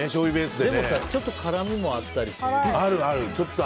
でもちょっと辛味もあったりする。